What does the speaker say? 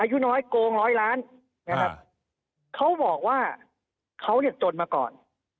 อายุน้อยโกงร้อยล้านเขาบอกว่าเขาจนมาก่อน